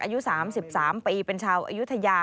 อายุ๓๓ปีเป็นชาวอยุธยา